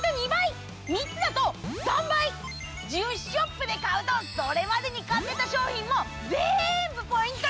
１０ショップで買うとそれまでに買ってた商品もぜんぶポイント